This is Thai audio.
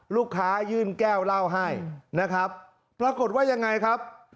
ยื่นแก้วเหล้าให้นะครับปรากฏว่ายังไงครับ